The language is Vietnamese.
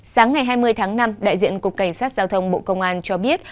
sáng ngày hai mươi tháng năm đại diện cục cảnh sát giao thông bộ công an cho biết